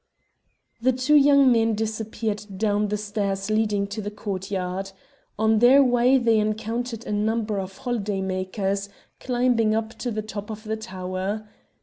The two young men disappeared down the stairs leading to the courtyard. On their way they encountered a number of holiday makers, climbing to the top of the tower.